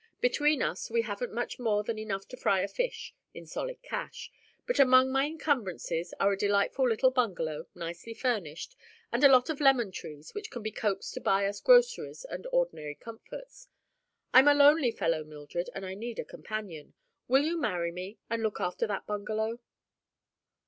Between us we haven't much more than enough to fry a fish, in solid cash, but among my encumbrances are a delightful little bungalow, nicely furnished, and a lot of lemon trees that can be coaxed to buy us groceries and ordinary comforts. I'm a lonely fellow, Mildred, and I need a companion. Will you marry me, and look after that bungalow?"